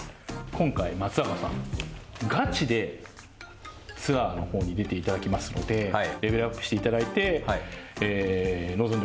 今回松坂さんガチでツアーの方に出ていただきますのでレベルアップしていただいて臨んでもらいたいなと。